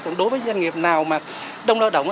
còn đối với doanh nghiệp nào mà đông lao động